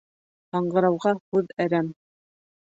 Һаңғырауға һүҙ әрәм.